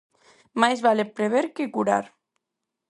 Máis vale prever que curar.